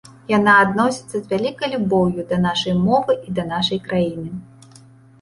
Яна адносіцца з вялікай любоўю да нашай мовы і да нашай краіны.